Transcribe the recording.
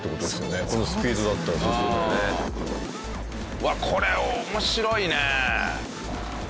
うわっこれ面白いね！